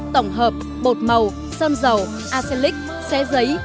tổng hợp bột màu sơm dầu acerlix xe giấy